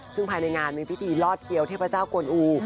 ซึ่งภายในงานมีพิธีลอดเกียวเทพเจ้ากวนอู